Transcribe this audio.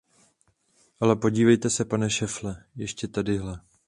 Ale podívejte se, pane Šefle, ještě tadyhle.